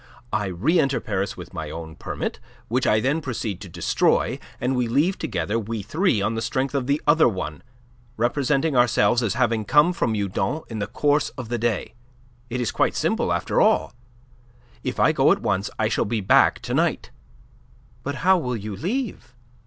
I reenter Paris with my own permit, which I then proceed to destroy, and we leave together, we three, on the strength of the other one, representing ourselves as having come from Meudon in the course of the day. It is quite simple, after all. If I go at once, I shall be back to night." "But how will you leave?"